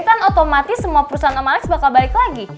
kan otomatis semua perusahaan om alex bakal balik lagi